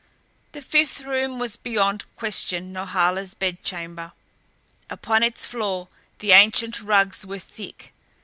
The fifth room was beyond question Norhala's bedchamber. Upon its floor the ancient rugs were thick.